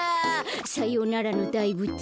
さようならのだいぶつ。